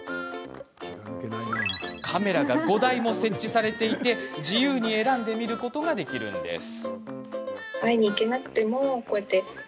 カメラが５台も設置されていて自由に選んで見ることができるんです。